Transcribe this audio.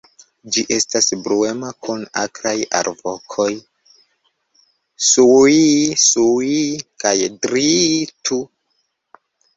Ĝi estas bruema, kun akraj alvokoj "sŭii-sŭii" kaj "driii-tu".